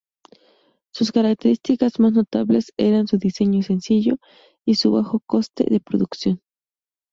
Sus características más notables eran su diseño sencillo y su bajo coste de producción.